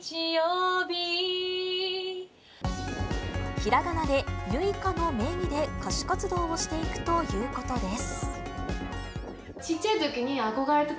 ひらがなでゆいかの名義で、歌手活動をしていくということです。